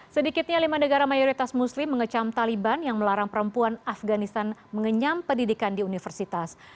sedikitnya lima negara mayoritas muslim mengecam taliban yang melarang perempuan afganistan mengenyam pendidikan di universitas